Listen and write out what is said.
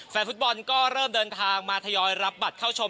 แฟนฟุตบอลก็เริ่มเดินทางมาทยอยรับบัตรเข้าชม